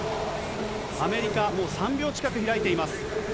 アメリカ、もう３秒近く開いています。